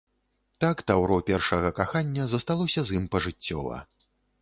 Так таўро першага кахання засталося з ім пажыццёва.